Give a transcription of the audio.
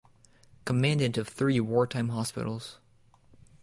Commandant of Three Wartime Hospitals.